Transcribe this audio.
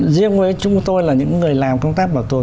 riêng với chúng tôi là những người làm công tác bảo tồn